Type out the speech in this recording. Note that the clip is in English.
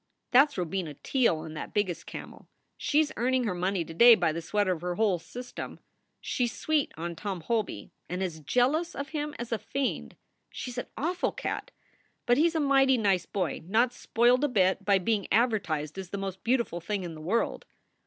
That s Robina Teele on that biggest camel. She s earning her money to day by the sweat of her whole system. She s sweet on Tom Holby and as jealous of him as a fiend. She s an awful cat, but he s a mighty nice boy not spoiled a bit by being advertised as the most beautiful thing in the world.